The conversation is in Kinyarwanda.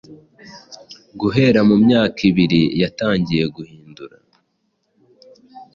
Guhera mu myaka ibiri yatangiye guhindura